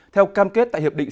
theo cam kết tại hiệp định